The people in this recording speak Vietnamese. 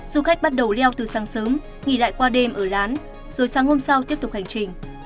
du khách bắt đầu leo từ sáng sớm nghỉ lại qua đêm ở lán rồi sáng hôm sau tiếp tục hành trình